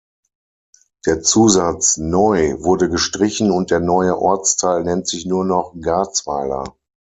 Der Zusatz „Neu“ wurde gestrichen und der neue Ortsteil nennt sich nur noch Garzweiler.